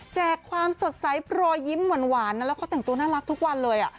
แจกความสดใสรอยยิ้มหวานแล้วเขาแต่งตัวน่ารักทุกวันเลย